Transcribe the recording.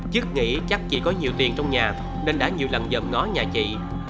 chức nghĩ chắc chị có nhiều tiền trong nhà nên đã nhiều lần dầm ngó nhà chị